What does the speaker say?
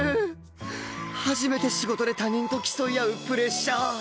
初めて仕事で他人と競い合うプレッシャー